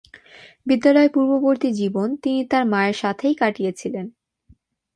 বিদ্যালয়-পূর্ববর্তী জীবন তিনি তার মায়ের সাথেই কাটিয়েছিলেন।